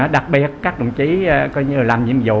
đặc biệt các đồng chí làm nhiệm vụ